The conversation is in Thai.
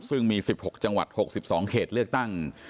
ซึ่งมีสิบหกจังหวัดหกสิบสองเขตเลือกตั้ง